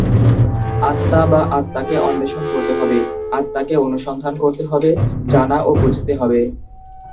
আত্মা বা আত্মাকে অন্বেষণ করতে হবে, আত্মাকে অনুসন্ধান করতে হবে, জানা ও বুঝতে হবে।